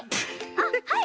あっはい！